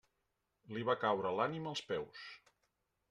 Li va caure l'ànima als peus.